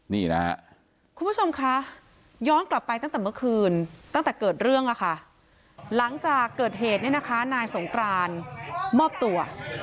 นี่นะคะคุณผู้ชมคะย้อนกลับไปตั้งแต่เมื่อคืนตั้งแต่เกิดเรื่องอะค่ะหลังจากเกิดเหตุเนี่ยนะคะนายสงกรานมอบตัว